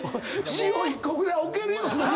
塩１個ぐらい置けるよな